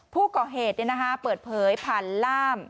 ผู้ก่อเหตุเปิดเผยผ่านล่าม